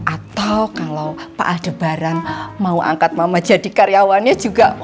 atau kalau pak ada barang mau angkat mama jadi karyawannya juga